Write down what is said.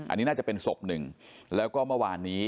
อันนี้น่าจะเป็นศพหนึ่งแล้วก็เมื่อวานนี้